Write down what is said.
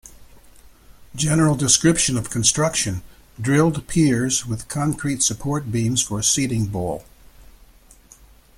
General description of construction: Drilled piers with concrete support beams for seating bowl.